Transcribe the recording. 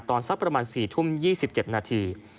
สักประมาณ๔ทุ่ม๒๗นาที